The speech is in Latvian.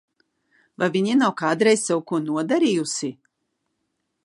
Vai viņa nav kādreiz sev ko nodarījusi?